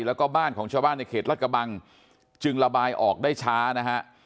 แล้วก็บ้านของชาวบ้านในเขตรัฐกระบังจึงระบายออกได้ช้านะฮะ